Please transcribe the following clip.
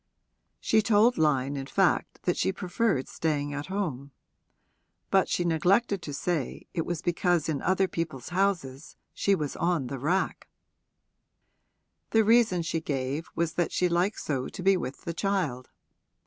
She told Lyon in fact that she preferred staying at home; but she neglected to say it was because in other people's houses she was on the rack: the reason she gave was that she liked so to be with the child.